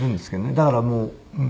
だからもう。